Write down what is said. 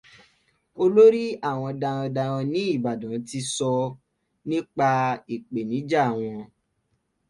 Olórí àwọn darandaran ní Ìbàdàn ti sọ nípa ìpèníjà wọn